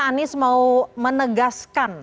anies mau menegaskan